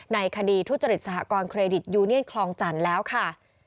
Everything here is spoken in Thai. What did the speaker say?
ในคดีทุจริตสหกรณเครดิตยูเนียนคลองจันทร์แล้วค่ะ